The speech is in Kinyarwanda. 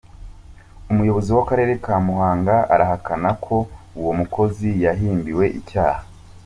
Umuyobozi w’Akarere ka Muhanga arahakana ko uwo mukozi yahimbiwe icyaha.